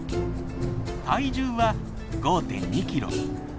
体重は５．２キロ。